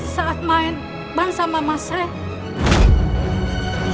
saat main ban sama mas ren